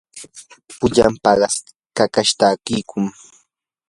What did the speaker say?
pullan paqas kakash takiykun.